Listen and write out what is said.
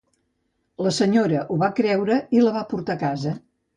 La senyora ho va creure i la va portar a casa